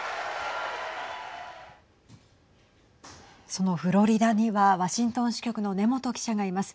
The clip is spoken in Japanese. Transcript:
そのフロリダにはワシントン支局の根本記者がいます。